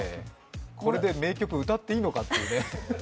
これで名曲を歌っていいのかっていうね。